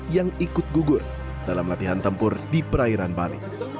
yang ikut gugur dalam latihan tempur di perairan bali